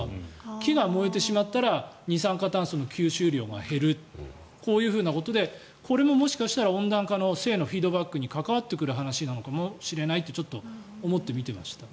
木が燃えてしまったら二酸化炭素の吸収量が減るこういうふうなことでこれももしかしたら温暖化の正のフィードバックに関わってくる話なのかもしれないと思って見てました。